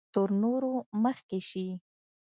تر نورو مخکې شي.